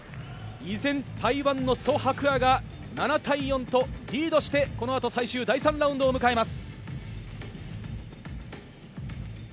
依然、台湾のソ・ハクアが７対４とリードして、このあと最終第３ラウンドを迎えます。